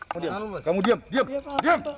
kamu diam kamu diam diam diam